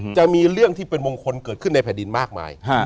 จะมีเรื่องที่เป็นมงคลเกิดขึ้นในแผ่นดินมากมาย